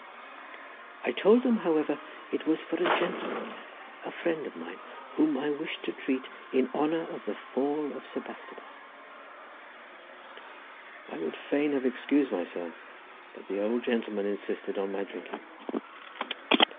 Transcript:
I told them, however, it was for a gentleman, a friend of mine, whom I wished to treat in honour of the fall of Sebastopol." I would fain have excused myself, but the old gentleman insisted on my drinking.